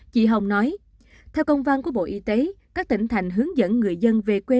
chị hồng nói theo công văn của bộ y tế các tỉnh thành hướng dẫn người dân về quê